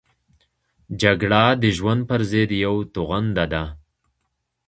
جګړه د ژوند پرضد یوه توغنده ده